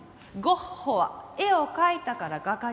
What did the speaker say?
ゴッホは絵を描いたから画家になった。